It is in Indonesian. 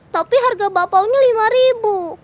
tapi harga bapaunya lima ribu